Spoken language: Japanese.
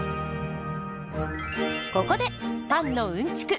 ここでパンのうんちく